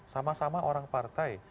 sama sama orang partai